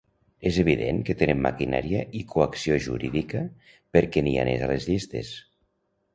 És evident que tenen maquinària i coacció jurídica perquè ni anés a les llistes.